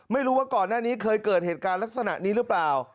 ไม่รู้ว่าก่อนหน้านี้เคยเกิดเหตุการณ์ลักษณะนี้หรือเปล่า